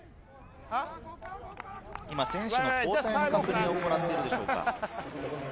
選手の交代の確認を行っているでしょうか？